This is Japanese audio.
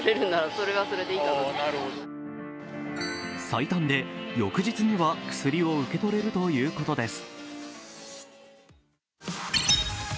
最短で翌日には薬を受け取れるということです。